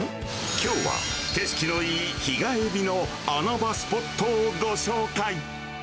きょうは、景色のいい日帰りの穴場スポットをご紹介。